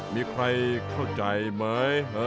มีใครเข้าใจไหม